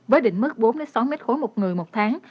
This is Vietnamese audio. với định mức bốn sáu mét khối một người một tháng